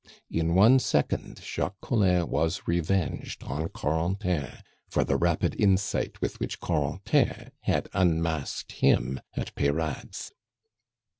In one second Jacques Collin was revenged on Corentin for the rapid insight with which Corentin had unmasked him at Peyrade's.